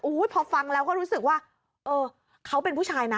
พอฟังแล้วก็รู้สึกว่าเออเขาเป็นผู้ชายนะ